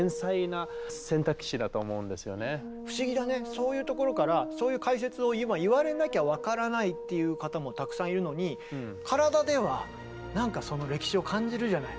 そういうところからそういう解説を今言われなきゃ分からないっていう方もたくさんいるのに体ではなんかその歴史を感じるじゃない。